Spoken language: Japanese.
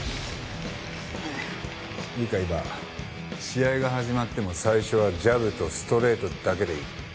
試合が始まっても最初はジャブとストレートだけでいい。